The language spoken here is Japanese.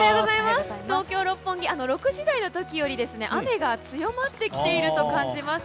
東京・六本木、６時台の時より雨が強まってきていると感じます。